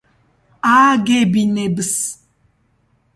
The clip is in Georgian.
ააგებინებს